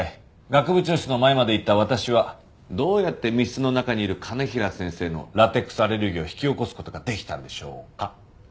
学部長室の前まで行った私はどうやって密室の中にいる兼平先生のラテックスアレルギーを引き起こす事ができたんでしょうか？